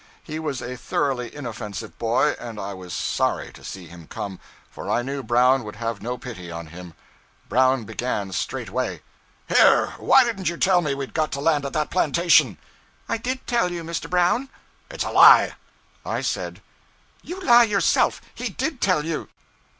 He was a thoroughly inoffensive boy, and I was sorry to see him come, for I knew Brown would have no pity on him. Brown began, straightway 'Here! why didn't you tell me we'd got to land at that plantation?' 'I did tell you, Mr. Brown.' 'It's a lie!' I said 'You lie, yourself. He did tell you.'